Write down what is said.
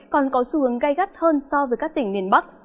còn có xu hướng gai gắt hơn so với các tỉnh miền bắc